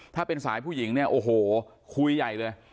ถ้าเป็นสายผู้หญิงเนี่ยโอ้โหคุยใหญ่เลย